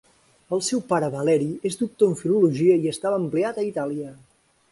El seu pare Valeri és doctor en filologia i estava empleat a Itàlia.